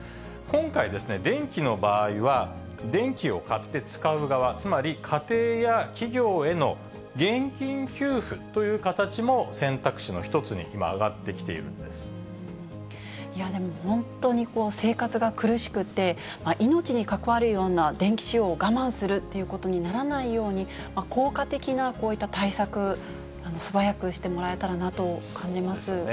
今回、電気の場合は、電気を買って使う側、つまり家庭や企業への現金給付という形も選択肢の一つに今、本当に生活が苦しくて、命に関わるような電気使用を我慢するということにならないように、効果的なこういった対策、素早くしてもらえたらなと感じます。